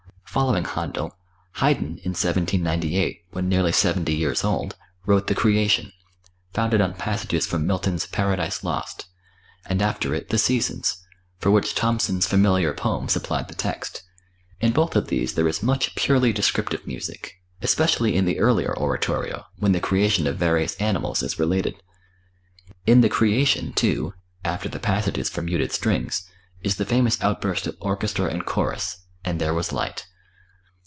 Following Händel, Haydn in 1798, when nearly seventy years old, wrote "The Creation," founded on passages from Milton's "Paradise Lost," and after it "The Seasons," for which Thomson's familiar poem supplied the text. In both of these there is much purely descriptive music, especially in the earlier oratorio, when the creation of various animals is related. In "The Creation," too, after the passages for muted strings, is the famous outburst of orchestra and chorus, "And there was light."